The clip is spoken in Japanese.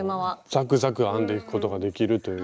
ザクザク編んでいくことができるという。